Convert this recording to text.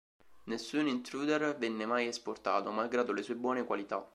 Nessun Intruder venne mai esportato, malgrado le sue buone qualità.